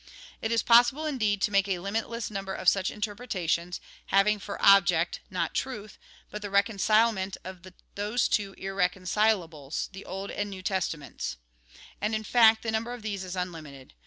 It is possible, indeed, to make a limitless number of such interpretations, having for object, not truth, but the reconcilement of those two irreconcilables, the Old and the New Testaments. And, in fact, the number of these is unlimited.